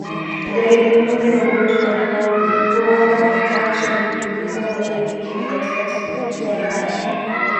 Dalili muhimu ya ugonjwa wa kuoza kwato ni kuvimba ngozi iliyo katikati ya kwato